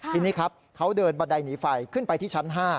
ทีนี้ครับเขาเดินบันไดหนีไฟขึ้นไปที่ชั้น๕